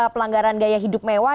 pelanggaran gaya hidup mewah